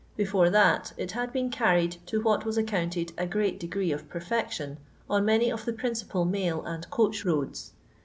Before that, it had been carried to what was accounted a great degree of perfection on many of the principal mail and coach roads.